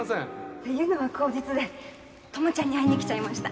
っていうのは口実で友ちゃんに会いに来ちゃいました。